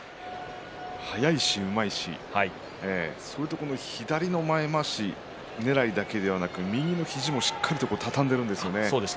速いし、うまいしそれと左の前まわしねらいだけではなく右の肘も、しっかりと畳んでいるんですよね。